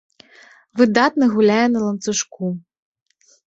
Выдатна гуляе на ланцужку.